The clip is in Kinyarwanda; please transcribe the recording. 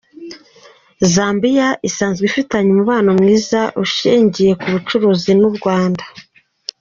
Zambia isanzwe ifitanye umubano mwiza ushingiye ku bucuruzi n’u Rwanda.